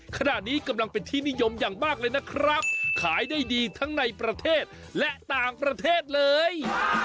ขณะนี้กำลังเป็นที่นิยมอย่างมากเลยนะครับขายได้ดีทั้งในประเทศและต่างประเทศเลย